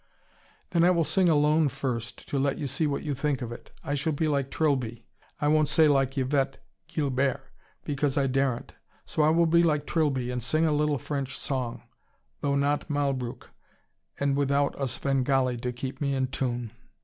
"Then I will sing alone first, to let you see what you think of it I shall be like Trilby I won't say like Yvette Guilbert, because I daren't. So I will be like Trilby, and sing a little French song. Though not Malbrouck, and without a Svengali to keep me in tune."